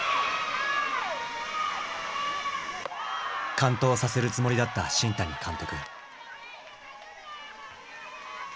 完投させるつもりだった新谷監督。